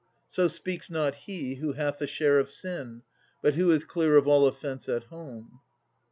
So speaks not he who hath a share of sin, But who is clear of all offence at home.